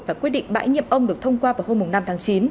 và quyết định bãi nhiệm ông được thông qua vào hôm năm tháng chín